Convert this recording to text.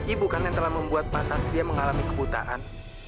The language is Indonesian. ibu kan yang telah membuat pak satria mengalami kebutaan